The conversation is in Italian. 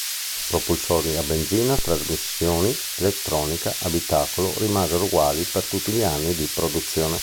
Propulsori a benzina, trasmissioni, elettronica, abitacolo, rimasero uguali per tutti gli anni di produzione.